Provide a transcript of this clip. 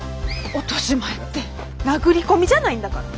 落とし前って殴り込みじゃないんだから。